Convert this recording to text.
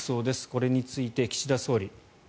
これについて、岸田総理。